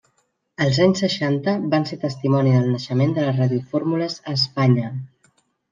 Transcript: Els anys seixanta van ser testimoni del naixement de les radiofórmules a Espanya.